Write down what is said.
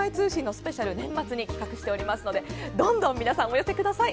スペシャル年末に企画していますので皆さん引き続きどんどんお寄せください。